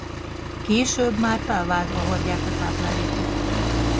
Később már felváltva hordják a táplálékot.